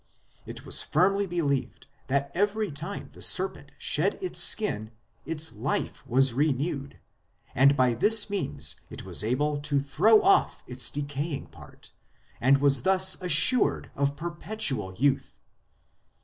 1 It was firmly believed that every time the serpent shed its skin its life was renewed ; and by this means it was able to throw off its decaying part, and was thus assured of perpetual youth.